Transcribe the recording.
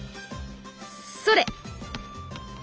それ！